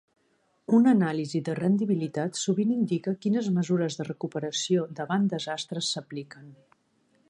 Una anàlisi de rendibilitat sovint indica quines mesures de recuperació davant desastres s'apliquen.